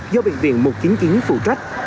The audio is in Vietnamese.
do bệnh viện một trăm chín mươi chín phụ trách